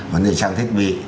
vấn đề trang thiết bị